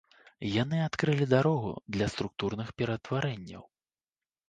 Яны адкрылі дарогу для структурных пераўтварэнняў.